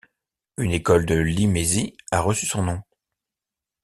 Une école de Limésy a reçu son nom.